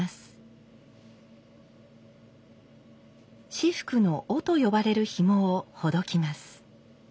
仕覆の「緒」と呼ばれるひもをほどきます。